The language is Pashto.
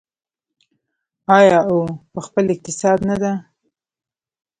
آیا او په خپل اقتصاد نه ده؟